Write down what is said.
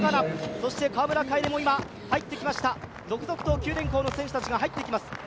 そして川村楓も今、入ってきました続々と九電工の選手たちが入ってきます。